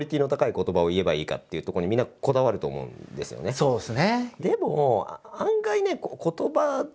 そうっすね。